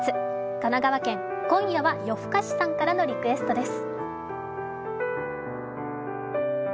神奈川県・今夜は夜更かしさんからのリクエストです。